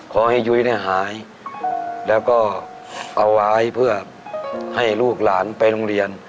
ขอให้ยุ้ยเนี่ยหายแล้วก็เอาไว้เพื่อให้ลูกหลานไปโรงเรียน